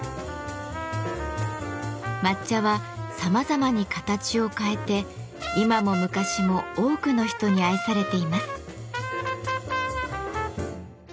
抹茶はさまざまに形を変えて今も昔も多くの人に愛されています。